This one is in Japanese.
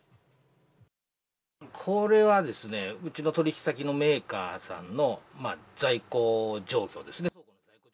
これはうちの取り引き先のメーカーさんの在庫状況ですね。